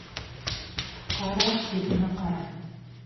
Ҡара, йөҙөмә ҡара.